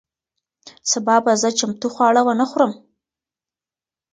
سبا به زه چمتو خواړه ونه خورم.